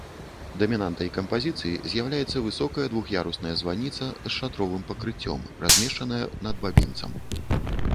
Дамінантай кампазіцыі з'яўляецца высокая двух'ярусная званіца з шатровым пакрыццём, размешчаная над бабінцам.